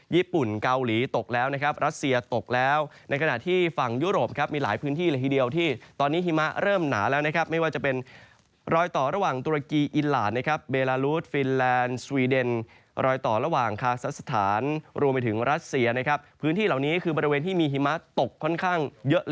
ญี่ปุ่นเกาหลีตกแล้วนะครับรัสเซียตกแล้วในขณะที่ฝั่งยุโรปครับมีหลายพื้นที่เลยทีเดียวที่ตอนนี้หิมะเริ่มหนาแล้วนะครับไม่ว่าจะเป็นรอยต่อระหว่างตุรกีอิหลานนะครับเบลาลูดฟินแลนด์สวีเดนรอยต่อระหว่างคาซักสถานรวมไปถึงรัสเซียนะครับพื้นที่เหล่านี้คือบริเวณที่มีหิมะตกค่อนข้างเยอะ